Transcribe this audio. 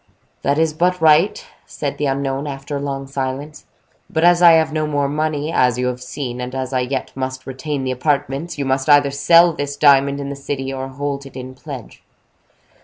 "That is but right," said the unknown, after a long silence; "but as I have no more money, as you have seen, and as I yet must retain the apartments, you must either sell this diamond in the city, or hold it in pledge."